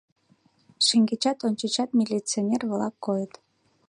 Шеҥгечат, ончычат милиционер-влак койыт.